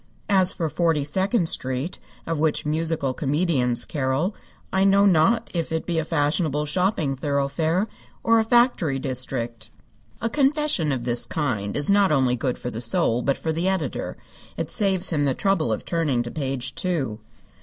As for Forty second Street, of which musical comedians carol, I know not if it be a fashionable shopping thoroughfare or a factory district. A confession of this kind is not only good for the soul, but for the editor. It saves him the trouble of turning to page two.